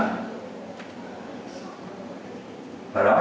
đại luật hết công gia tộc